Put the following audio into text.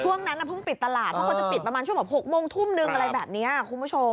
ช่วงนั้นเพิ่งปิดตลาดเพราะเขาจะปิดประมาณช่วงแบบ๖โมงทุ่มนึงอะไรแบบนี้คุณผู้ชม